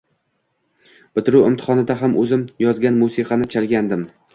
Bitiruv imtihonida ham o’zim yozgan musiqani chalgandim.